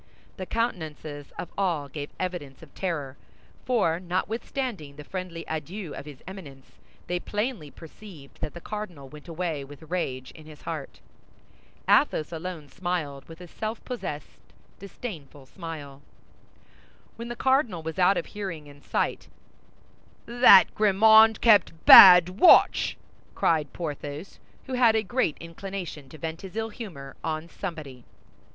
The countenances of all gave evidence of terror, for notwithstanding the friendly adieu of his Eminence, they plainly perceived that the cardinal went away with rage in his heart. Athos alone smiled, with a self possessed, disdainful smile. When the cardinal was out of hearing and sight, "That Grimaud kept bad watch!" cried Porthos, who had a great inclination to vent his ill humor on somebody.